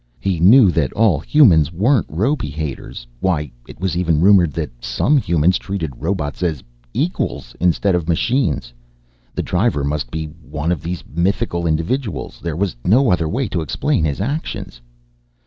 He knew that all humans weren't robe haters, why it was even rumored that some humans treated robots as equals instead of machines. The driver must be one of these mythical individuals, there was no other way to explain his actions.